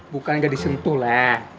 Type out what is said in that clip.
bukan gak disentuh leh